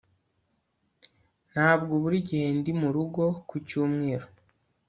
ntabwo buri gihe ndi murugo ku cyumweru